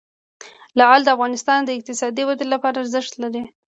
لعل د افغانستان د اقتصادي ودې لپاره ارزښت لري.